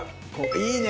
いいね